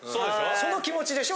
その気持ちでしょ？